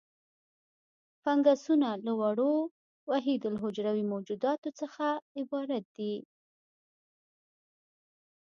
فنګسونه له وړو وحیدالحجروي موجوداتو څخه عبارت دي.